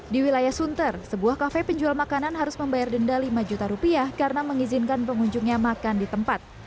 di wilayah sunter sebuah kafe penjual makanan harus membayar denda lima juta rupiah karena mengizinkan pengunjungnya makan di tempat